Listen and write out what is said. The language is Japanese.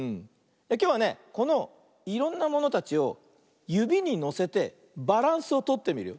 きょうはねこのいろんなものたちをゆびにのせてバランスをとってみるよ。